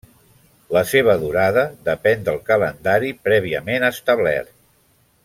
La seva durada depèn del calendari prèviament establert.